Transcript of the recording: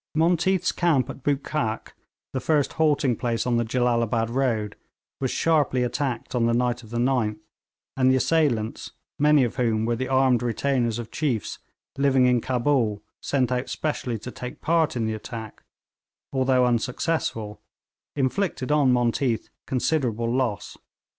Monteath's camp at Bootkhak, the first halting place on the Jellalabad road, was sharply attacked on the night of the 9th, and the assailants, many of whom were the armed retainers of chiefs living in Cabul sent out specially to take part in the attack, although unsuccessful, inflicted on Monteath considerable loss.